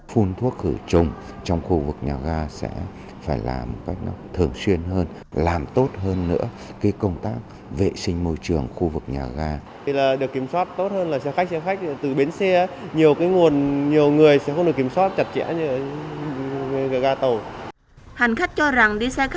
hành khách cho rằng đi xe khách vẫn còn một số người chưa chấp hành quy định phòng dịch